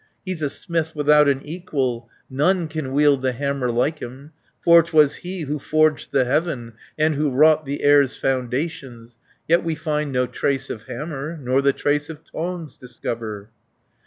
"He's a smith without an equal, None can wield the hammer like him, For 'twas he who forged the heaven, And who wrought the air's foundations, Yet we find no trace of hammer, Nor the trace of tongs discover."